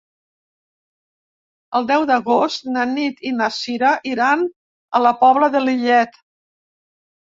El deu d'agost na Nit i na Cira iran a la Pobla de Lillet.